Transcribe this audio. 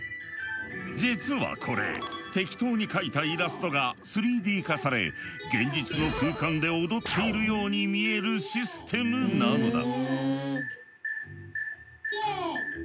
実はこれ適当に描いたイラストが３Ｄ化され現実の空間で踊っているように見えるシステムなのだ。